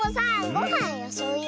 ごはんよそうよ。